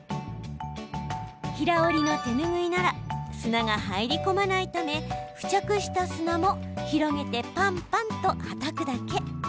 平織りの手ぬぐいなら砂が入り込まないため付着した砂も広げてぱんぱんと、はたくだけ。